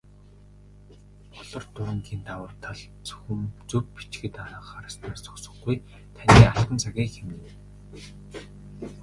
"Болор дуран"-ийн давуу тал зөвхөн зөв бичихэд анхаарснаар зогсохгүй, таны алтан цагийг хэмнэнэ.